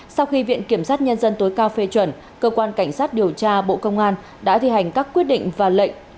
sau khi viện kiểm sát nhân dân tối cao phê chuẩn cơ quan cảnh sát điều tra bộ công an đã thi hành các quyết định và lệnh